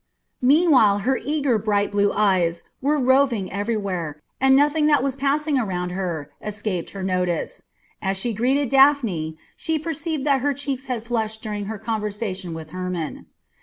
Meanwhile her eager, bright blue eyes were roving everywhere, and nothing that was passing around her escaped her notice. As she greeted Daphne she perceived that her cheeks had flushed during her conversation with Hermon.